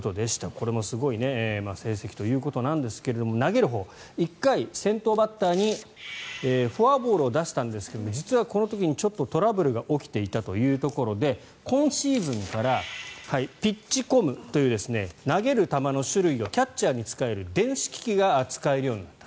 これもすごい成績ということなんですが投げるほう１回、先頭バッターにフォアボールを出したんですが実はこの時にちょっとトラブルが起きていたということで今シーズンからピッチコムという投げる球の種類をキャッチャーに伝える電子機器が使えるようになった。